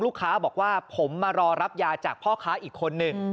ลูกค้าบอกว่าผมมารอรับยาจากพ่อค้าอีกคนนึง